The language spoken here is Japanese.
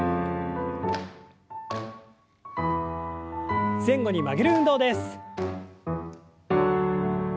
前後に曲げる運動です。